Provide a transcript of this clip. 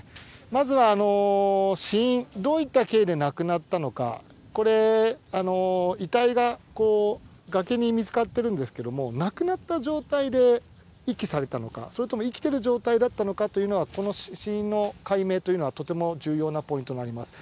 まずは死因、どういった経緯で亡くなったのか、これ、遺体が崖に見つかってるんですけど、亡くなった状態で遺棄されたのか、それとも生きてる状態だったのか、この死因の解明というのはとても重要なポイントになります。